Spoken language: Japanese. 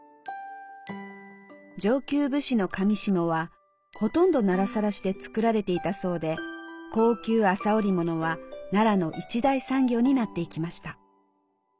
上級武士のかみしもはほとんど奈良晒で作られていたそうで高級麻織物は奈良の一大産業になっていきました。